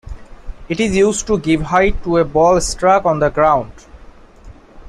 It is used to give height to a ball struck on the ground.